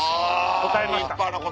答えました。